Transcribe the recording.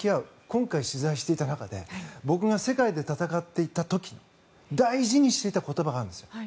今回取材していた中で僕が世界で戦っていた時大事にしていた言葉があるんです。